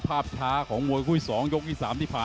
แสนชัยน้อยป้ำตีเขา